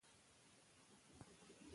هغه وايي، هدف باید ساده وي.